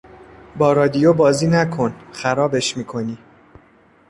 با رادیو بازی نکن; خرابش میکنی.